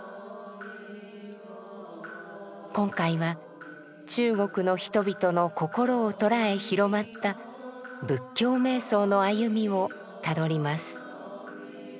今回は中国の人々の心をとらえ広まった仏教瞑想の歩みをたどります。